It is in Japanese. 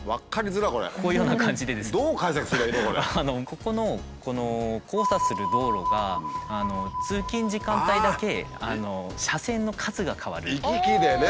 ここのこの交差する道路が通勤時間帯だけ車線の数が変わる。